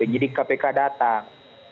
jadi kpk datang